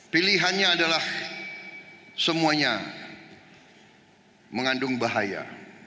pilihannya adalah semuanya mengandung bahaya